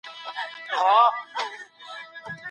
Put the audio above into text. په حرامو اړيکو کي خلګ ولي د خپل عمل پټولو کوښښ کوي؟